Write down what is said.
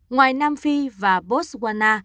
ngoài nam phi và botswana